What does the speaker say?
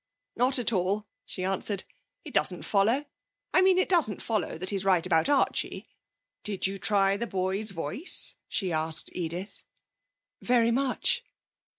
'Not at all,' she answered. 'It doesn't follow. I mean it doesn't follow that he's right about Archie. Did he try the boy's voice?' she asked Edith. 'Very much.'